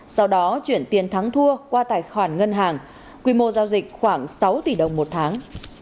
sau đó chuyển tiền thắng thua qua tài khoản ngân hàng quy mô giao dịch khoảng sáu tỷ đồng một tháng